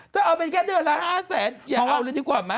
ถ้าเอาเป็นแค่เดือนละ๕แสนอย่าเอาเลยดีกว่าไหม